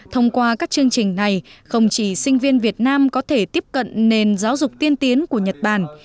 thông qua các chương trình này không chỉ sinh viên việt nam có thể tiếp cận nền giáo dục tiên tiến của nhật bản